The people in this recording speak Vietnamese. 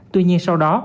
tuy nhiên sau đó